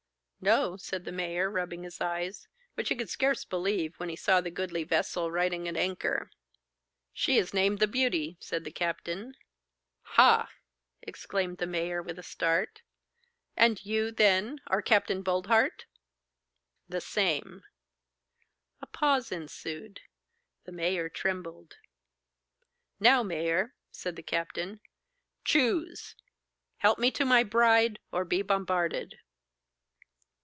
'No,' said the mayor, rubbing his eyes, which he could scarce believe, when he saw the goodly vessel riding at anchor. 'She is named "The Beauty,"' said the captain. 'Hah!' exclaimed the mayor, with a start. 'And you, then, are Capt. Boldheart?' 'The same.' A pause ensued. The mayor trembled. 'Now, mayor,' said the captain, 'choose! Help me to my bride, or be bombarded.